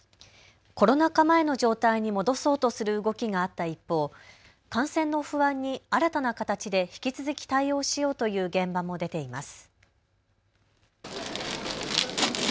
コロナ禍前の状態に戻そうとする動きがあった一方、感染の不安に新たな形で引き続き対応しようという現場も出ています。